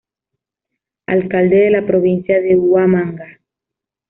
Alcalde de la "Provincia de Huamanga".